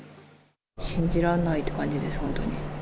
信じらんないって感じです、本当に。